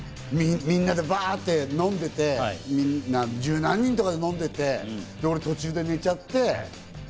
昔なぁ、みんなでバって飲んでて、十何人とかで飲んでて、俺、途中で寝ちゃって。